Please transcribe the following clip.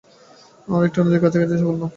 আমরা একটা নদীর কাছাকাছি এসে পড়লাম!